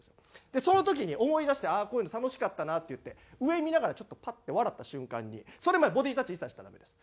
でその時に思い出して「ああこういうの楽しかったな」って言って上見ながらちょっとパッて笑った瞬間にそれまでボディータッチ一切したらダメです。